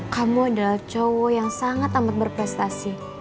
kamu adalah cowok yang sangat amat berprestasi